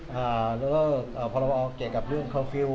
พอเราเอาเกตกับเรื่องคอมฟิว